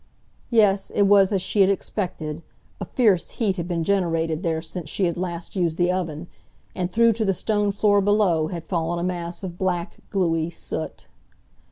Yes, it was as she had expected, a fierce heat had been generated there since she had last used the oven, and through to the stone floor below had fallen a mass of black, gluey soot.